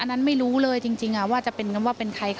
อันนั้นไม่รู้เลยจริงอ่ะว่าจะเป็นใครเข้าไปอ่ะ